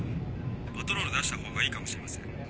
パトロール出した方がいいかもしれません。